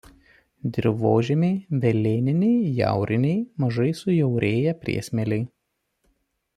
Dirvožemiai velėniniai jauriniai mažai sujaurėję priesmėliai.